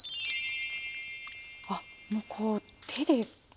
あっもうこう手で大胆に。